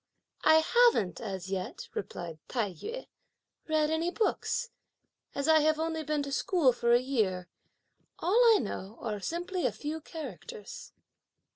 "I haven't as yet," replied Tai yü, "read any books, as I have only been to school for a year; all I know are simply a few characters."